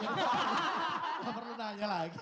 gak perlu nanya lagi